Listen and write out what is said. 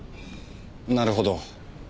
なるほど。